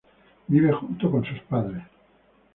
Vive junto con sus padres.